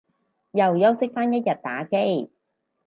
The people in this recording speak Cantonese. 又休息返一日打機